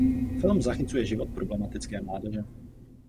Film zachycuje život problematické mládeže.